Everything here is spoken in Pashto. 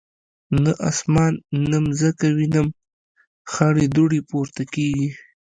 نه اسمان نه مځکه وینم خړي دوړي پورته کیږي